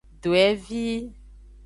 Dwevi.